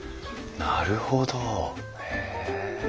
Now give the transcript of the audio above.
なるほどへえ。